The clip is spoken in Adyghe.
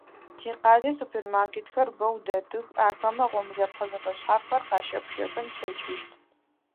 Тикъалэ супермаркетхэр бэу дэтых, ахэмэ гъомлэпхъэ зэфэшъхьафхэр къащыпщэфын плъэкӏыщт.